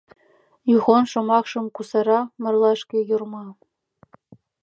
— Юхон шомакшым кусара марлашке Йорма.